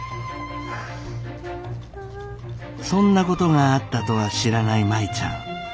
そんなことがあったとは知らない舞ちゃん。